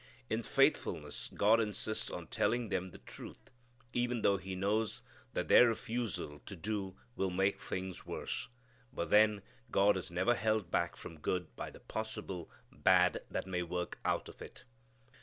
In faithfulness God insists on telling them the truth even though He knows that their refusal to do will make things worse. But then God is never held back from good by the possible bad that may work out of it.